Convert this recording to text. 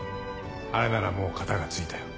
あれならもう片が付いたよ。